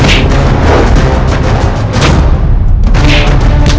tidak ada kesalahan